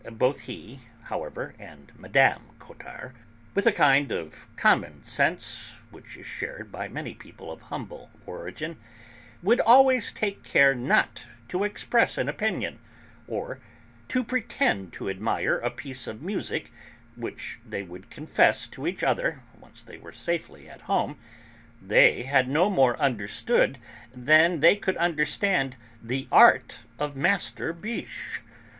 Both he, however, and Mme. Cottard, with a kind of common sense which is shared by many people of humble origin, would always take care not to express an opinion, or to pretend to admire a piece of music which they would confess to each other, once they were safely at home, that they no more understood than they could understand the art of 'Master' Biche.